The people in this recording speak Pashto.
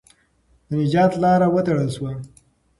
د نجات لاره وتړل سوه.